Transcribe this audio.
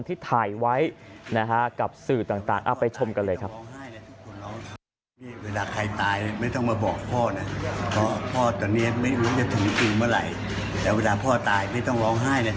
ที่ถ่ายไว้นะฮะกับสื่อต่างไปชมกันเลยครับ